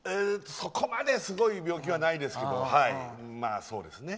そこまですごい病気はないですけどまあ、そうですね。